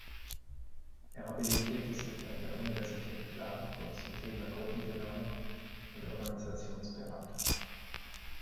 Er habilitierte sich an der Universität Klagenfurt zum Thema Gruppendynamik und Organisationsberatung.